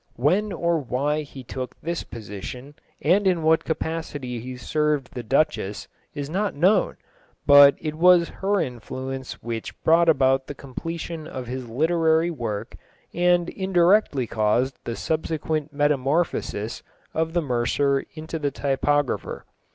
When or why he took this position, and in what capacity he served the Duchess, is not known, but it was her influence which brought about the completion of his literary work and indirectly caused the subsequent metamorphosis of the mercer into the typographer.